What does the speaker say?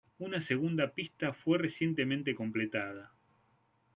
Una segunda pista fue recientemente completada.